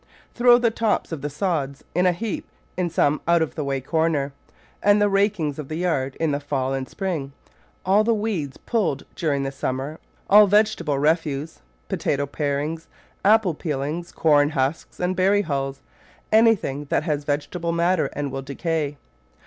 Throw the tops of the sods in a heap in some out of the way corner and add the rakings of the yard in fall and spring, all weeds pulled during the summer, all vegetable refuse, potato parings, apple peelings, corn husks, and berry hulls — anything that has vege table matter and will decay.